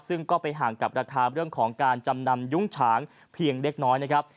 ซึ่งก็ไปห่างกับราคาเรื่องของการจำนำยุ้งฉางเพียงเล็กน้อยนะครับ